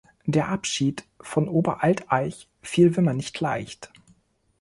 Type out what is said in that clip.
Der Abschied von Oberalteich fiel Wimmer nicht leicht.